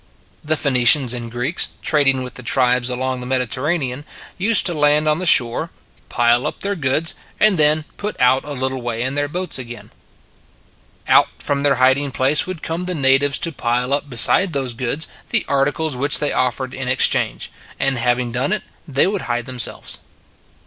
The Phoenicians and Greeks, trading with the tribes along the Mediterranean, used to land on the shore, pile up their goods, and then put out a little way in their boats again. Out from their hiding place would come the natives to pile up beside those goods the articles which they offered in exchange, and having done it they would hide them selves.